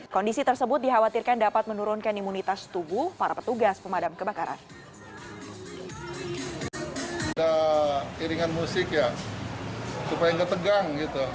kondisi tersebut dikhawatirkan dapat menurunkan imunitas tubuh para petugas pemadam kebakaran